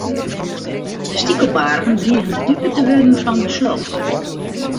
De stikelbargen drigen de dupe te wurden fan de sloop.